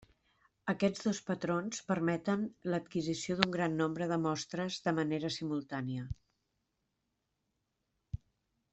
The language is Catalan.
Aquests dos patrons permeten l'adquisició d'un gran nombre de mostres de manera simultània.